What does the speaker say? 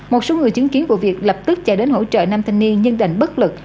một số người chứng kiến của việc lập tức chạy đến hỗ trợ nam thanh niên nhân đệnh bất lực